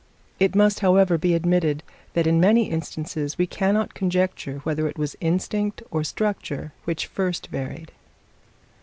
It must, however, be admitted that in many instances we cannot conjecture whether it was instinct or structure which first varied.